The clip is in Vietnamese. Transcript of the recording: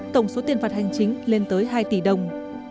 tổng số tiền phạt hành chính lên tới hai tỷ đồng